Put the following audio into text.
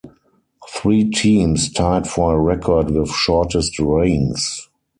Three teams tied for a record with shortest reigns.